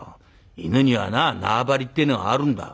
犬にはな縄張りっていうのがあるんだ。